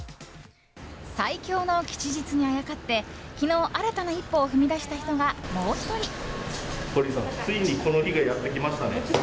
最強の吉日にあやかって昨日、新たな一歩を踏み出した人がもう１人。